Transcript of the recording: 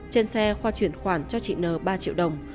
trên xe khoa chuyển khoản cho chị n ba triệu đồng